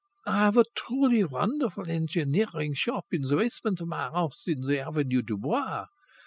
I have a truly wonderful engineering shop in the basement of my house in the Avenue du Bois.